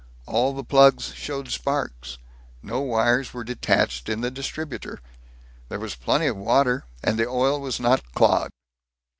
All the plugs showed sparks. No wires were detached in the distributor. There was plenty of water, and the oil was not clogged.